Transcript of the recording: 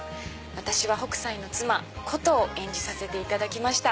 私は北斎の妻コトを演じさせていただきました。